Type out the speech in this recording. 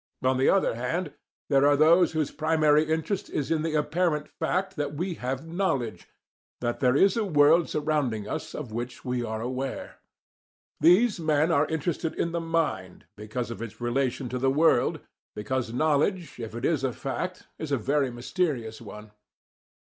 On the other hand, there are those whose primary interest is in the apparent fact that we have KNOWLEDGE, that there is a world surrounding us of which we are aware. These men are interested in the mind because of its relation to the world, because knowledge, if it is a fact, is a very mysterious one.